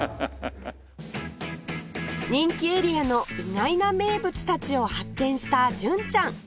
人気エリアの意外な名物たちを発見した純ちゃん